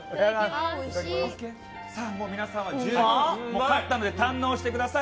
もう皆さんは十分勝ったので堪能してください。